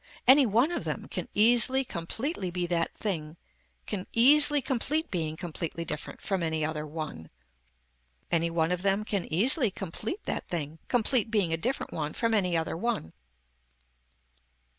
Any one of them can easily completely be that thing can easily complete being completely different from any other one. Any one of them can easily complete that thing complete being a different one from any other one.